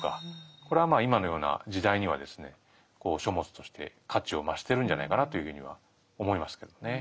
これは今のような時代にはですね書物として価値を増してるんじゃないかなというふうには思いますけどね。